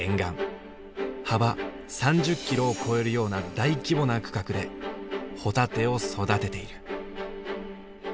幅３０キロを超えるような大規模な区画でホタテを育てている。